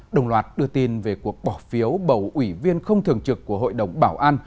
đồng loạt đưa tin về cuộc bỏ phiếu bầu ủy viên không thường trực của hội đồng bảo an